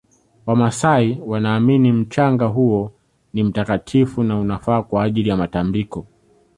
wamasai wanaamini mchanga huo ni mtakatifu na unafaa kwa ajili ya matabiko